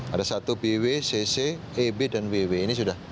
ada satu bw cc eb dan ww ini sudah